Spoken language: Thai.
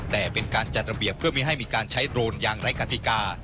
แต่เป็นการจัดระเบียบเพื่อไม่ให้มีการใช้โดรนอย่างไร้กติกา